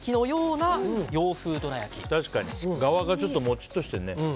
確かに皮がちょっとモチッとしてるね。